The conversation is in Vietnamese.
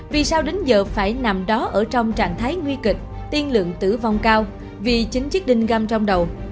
vì sao đến giờ phải nằm đó ở trong trạng thái nguy kịch tiên lượng tử vong cao vì chín chiếc đinh găm trong đầu